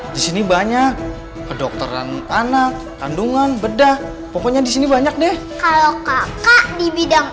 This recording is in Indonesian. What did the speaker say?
di sini banyak kedokteran anak kandungan bedah pokoknya disini banyak deh kalau kakak di bidang